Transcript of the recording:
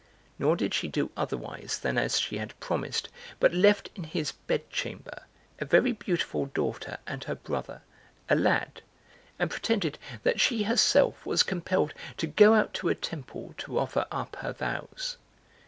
Nor did she do otherwise than as she had promised, but left in his bed chamber a very beautiful daughter and her brother, a lad, and pretended that she herself was compelled to go out to a temple to offer up her vows.